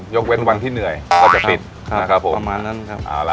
ยกเว้นวันที่เหนื่อยก็จะปิดนะครับผมประมาณนั้นครับเอาล่ะ